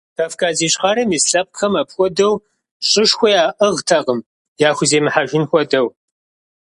Кавказ Ищхъэрэм ис лъэпкъхэм апхуэдэу щӀышхуэ яӀыгътэкъым, яхуземыхьэжын хуэдэу.